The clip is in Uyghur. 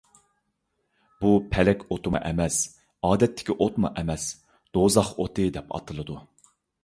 بۇ، پەلەك ئوتىمۇ ئەمەس، ئادەتتىكى ئوتمۇ ئەمەس، «دوزاخ ئوتى» دەپ ئاتىلىدۇ.